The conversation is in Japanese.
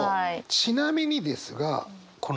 ちなみにですがこのセリフ